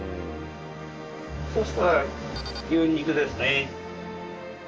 そうしたら牛肉ですね。